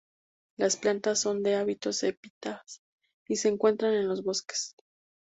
Las plantas son de hábitos epífitas y se encuentran en los bosques.